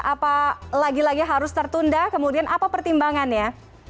apa lagi lagi harus tertunda kemudian apa pertimbangannya